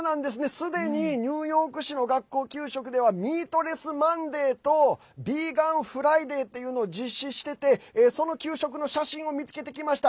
すでにニューヨーク市の学校給食ではミートレスマンデーとビーガンフライデーっていうのを実施しててその給食の写真を見つけてきました。